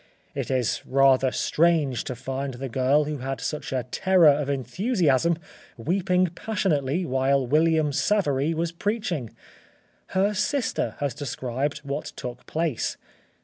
It is rather strange to find the girl who had such a terror of enthusiasm, weeping passionately while William Savery was preaching. Her sister has described what took place.